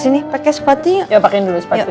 sini pakai sepatunya